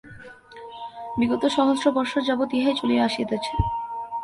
বিগত সহস্র বৎসর যাবৎ ইহাই চলিয়া আসিতেছে।